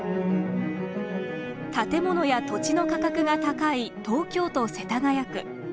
建物や土地の価格が高い東京都世田谷区。